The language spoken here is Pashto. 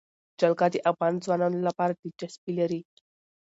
جلګه د افغان ځوانانو لپاره دلچسپي لري.